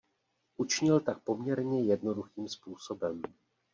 Učinil tak poměrně jednoduchým způsobem.